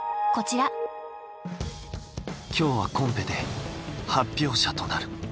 今日はコンペで発表者となる。